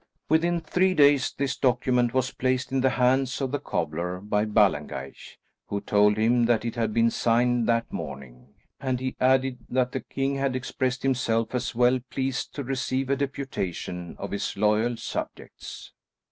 Within three days this document was placed in the hands of the cobbler by Ballengeich, who told him that it had been signed that morning. And he added that the king had expressed himself as well pleased to receive a deputation of his loyal subjects.